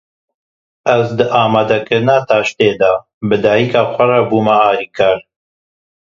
Ez di amadekirina taştê de bi dayîka xwe re bûm alîkar.